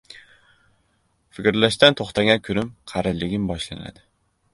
• Fikrlashdan to‘xtagan kunim qariligim boshlanadi.